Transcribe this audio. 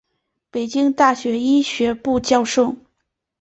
北京大学医学部教授。